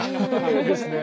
そうですね。